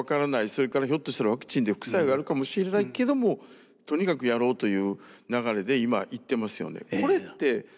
それからひょっとしたらワクチンで副作用があるかもしれないけどもとにかくやろうという流れで今いってますよね。